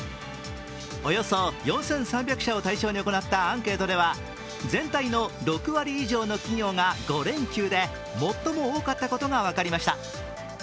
およそ４３００社を対象に行ったアンケートでは全体の６割以上の企業が５連休で最も多かったことが分かりました。